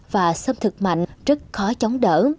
và xâm thực mạnh rất khó chống đỡ